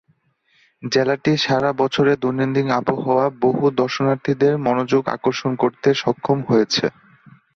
জেলাটি সারা বছরের দৈনন্দিন আবহাওয়া বহু দর্শনার্থীদের মনোযোগ আকর্ষণ করতে সক্ষম হয়েছে।